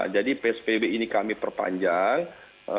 jadi pspb ini kami perpanjangkan